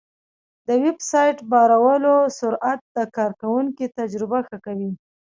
د ویب سایټ بارولو سرعت د کارونکي تجربه ښه کوي.